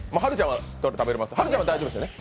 はるちゃんは大丈夫ですよね。